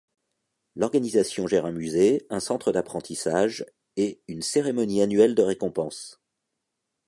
L'organisation gère un musée, un centre d'apprentissage et une cérémonie annuelle de récompenses.